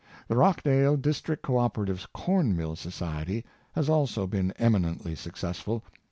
The Rochdale District Co operative Corn mill Society has also been eminently successful.